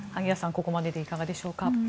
ここまででいかがでしょうか。